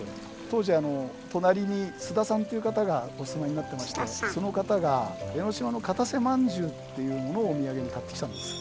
当時隣に須田さんという方がお住まいになってましてその方が江の島の「片瀬まんじゅう」というものをお土産に買ってきたんです。